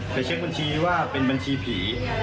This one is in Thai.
เช็คบัญชีว่าเป็นบัญชีผี